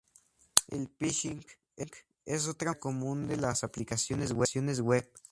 El Phishing es otra amenaza común de las aplicaciones Web.